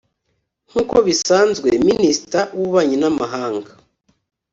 nk’uko bisanzwe Ministre w’ububanyi n’amahanga